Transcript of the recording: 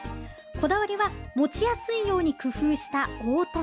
こだわりは持ちやすいように工夫した凹凸。